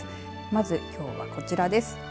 まず、きょうは、こちらです。